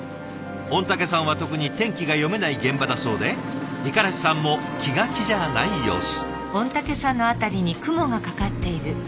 御嶽山は特に天気が読めない現場だそうで五十嵐さんも気が気じゃない様子。